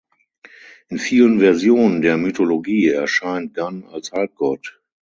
In vielen Versionen der Mythologie erscheint Gun als Halbgott.